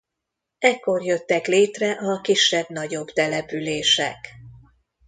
Ekkor jöttek létre a kisebb-nagyobb települések.